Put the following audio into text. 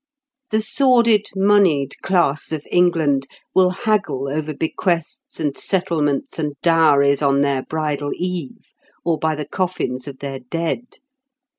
The sordid moneyed class of England will haggle over bequests and settlements and dowries on their bridal eve, or by the coffins of their dead.